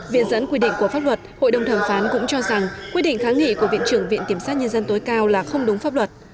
viện dẫn quy định của pháp luật hội đồng thẩm phán cũng cho rằng quy định kháng nghị của viện trưởng viện kiểm sát nhân dân tối cao là không đúng pháp luật